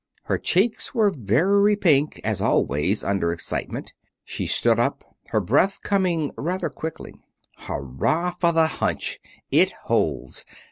Her cheeks were very pink as always under excitement. She stood up, her breath coming rather quickly. "Hurray for the hunch! It holds.